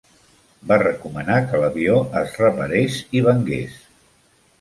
Va recomanar que l'avió es reparés i vengués.